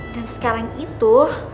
dan sekarang itu